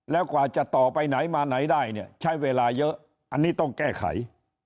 แล้วกว่าจะต่อไปไหนมาไหนได้เนี่ยใช้เวลาเยอะอันนี้ต้องแก้ไข